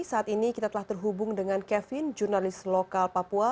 saat ini kita telah terhubung dengan kevin jurnalis lokal papua